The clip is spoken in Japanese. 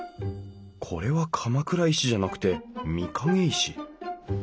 これは鎌倉石じゃなくて御影石。